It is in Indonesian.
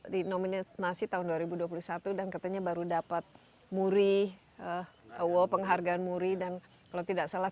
dinominasi tahun dua ribu dua puluh satu dan katanya baru dapat muri awal penghargaan muri dan kalau tidak salah